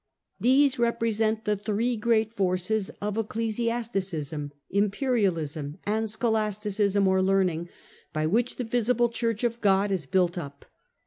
These represent the three great forces of Ecclesiasticism, Imperialism and Scholasti cism or Learning, by which the visible Church of God is built up.